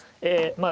まあ